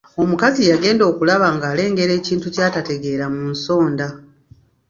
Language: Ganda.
Omukazi yagenda okulaba nga alengera ekintu ky'atategeera mu nsonda.